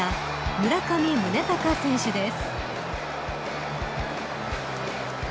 村上宗隆選手です。